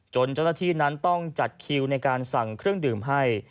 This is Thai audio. เจ้าหน้าที่นั้นต้องจัดคิวในการสั่งเครื่องดื่มให้